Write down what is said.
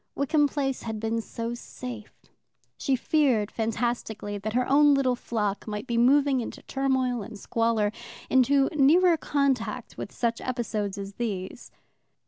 Wickham Place had been so safe. She feared, fantastically, that her own little flock might be moving into turmoil and squalor, into nearer contact with such episodes as these.